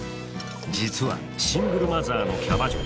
実はシングルマザーのキャバ嬢。